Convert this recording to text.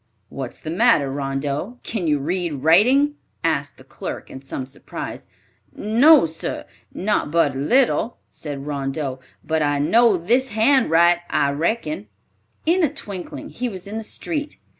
"What's the matter, Rondeau? Can you read writing?" asked the clerk in some surprise. "No, sir, not but a little," said Rondeau; "but I know this hand write, I reckon." In a twinkling, he was in the street.